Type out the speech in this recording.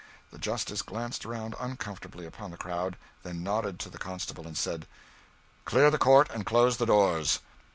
The justice glanced around uncomfortably upon the crowd, then nodded to the constable, and said "Clear the court and close the doors."